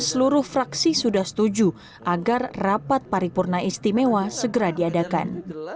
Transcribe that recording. seluruh fraksi sudah setuju agar rapat paripurna istimewa segera diadakan